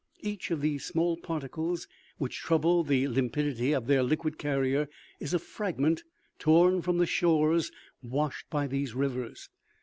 Each of these small particles, which trouble the limpidity of their liquid carrier, is a fragment torn from the shores washed by these rivers.